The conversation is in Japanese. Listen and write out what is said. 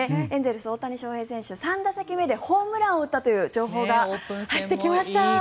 エンゼルスの大谷選手３打席目でホームランを打ったという情報が入ってきました。